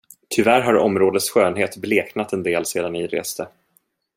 Tyvärr har områdets skönhet bleknat en del sedan ni reste.